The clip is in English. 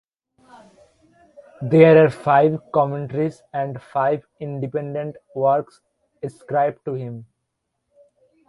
There are five commentaries and five independent works ascribed to him.